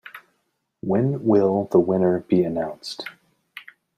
When will the winner be announced?